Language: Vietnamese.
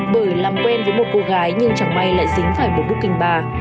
bởi làm quen với một cô gái nhưng chẳng may lại dính phải một bức kinh bà